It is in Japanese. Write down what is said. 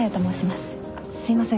すいません。